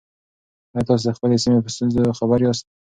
آیا تاسو د خپلې سیمې په ستونزو خبر یاست؟